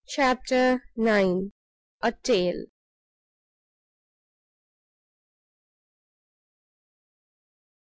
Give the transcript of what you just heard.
CHAPTER viii. A TALE.